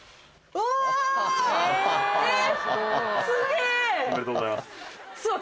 おめでとうございます。